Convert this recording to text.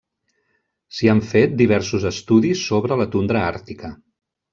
S'hi han fet diversos estudis sobre la tundra àrtica.